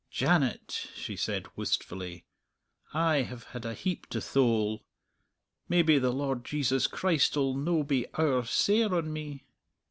"Janet," she said wistfully, "I have had a heap to thole! Maybe the Lord Jesus Christ'll no' be owre sair on me."